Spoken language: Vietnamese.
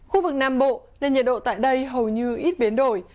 khu vực nam bộ nên nhiệt độ tại đây hầu như ít biến đổi